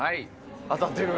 当たってる。